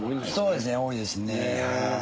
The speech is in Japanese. そうですね多いですね。